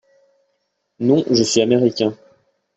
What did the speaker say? Non, je suis américain.